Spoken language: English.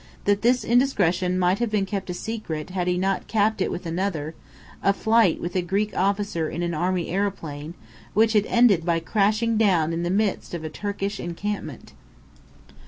That this indiscretion might have been kept a secret had he not capped it with another: a flight with a Greek officer in an army aeroplane which had ended by crashing down in the midst of a Turkish encampment.